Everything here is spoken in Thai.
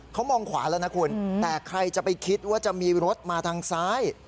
เขามองขวาแล้วนะคุณแต่ใครจะไปคิดว่าจะมีรถมาทางซ้าย